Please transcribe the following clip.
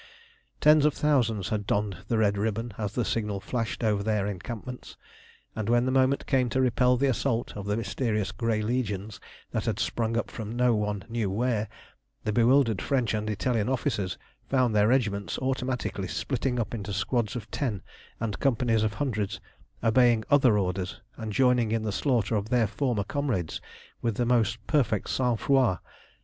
Tens of thousands had donned the red ribbon as the Signal flashed over their encampments, and when the moment came to repel the assault of the mysterious grey legions that had sprung from no one knew where, the bewildered French and Italian officers found their regiments automatically splitting up into squads of tens and companies of hundreds, obeying other orders, and joining in the slaughter of their former comrades with the most perfect sang froid.